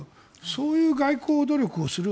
そういう外交努力をする。